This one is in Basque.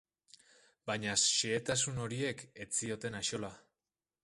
Baina xehetasun horiek ez zioten axola.